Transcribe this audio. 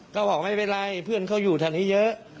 ก็บอกไม่เป็นไรเพื่อนเขาอยู่แถวนี้เยอะ